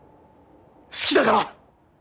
好きだから。